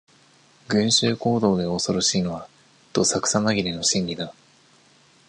群衆行動で恐ろしいのは、どさくさまぎれの心理だ。